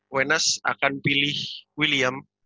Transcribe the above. wenas akan pilih william